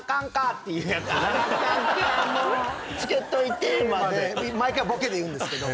「付けといて」まで毎回ボケで言うんですけど。